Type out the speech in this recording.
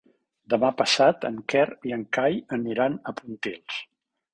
Demà passat en Quer i en Cai aniran a Pontils.